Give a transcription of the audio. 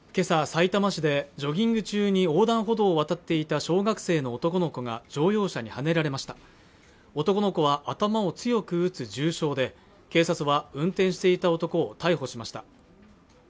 さいたま市でジョギング中に横断歩道を渡っていた小学生の男の子が乗用車にはねられました男の子は頭を強く打つ重傷で警察は運転していた男を逮捕しました